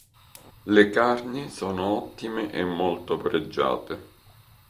Le carni sono ottime e molto pregiate.